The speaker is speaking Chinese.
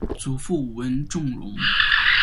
祖父文仲荣。